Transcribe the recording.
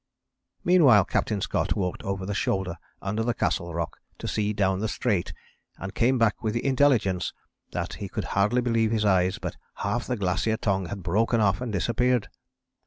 Meanwhile Captain Scott walked over the shoulder under Castle Rock to see down the Strait and came back with the intelligence that he could hardly believe his eyes, but half the Glacier Tongue had broken off and disappeared.